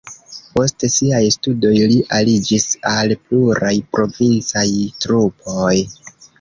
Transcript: Post siaj studoj li aliĝis al pluraj provincaj trupoj.